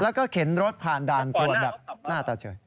แล้วก็เข็นรถผ่านด่านตรวจ